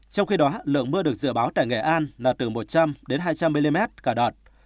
trong khi đó lượng mưa được dự báo tại nghệ an là từ một trăm linh đến hai trăm linh mm cả đợt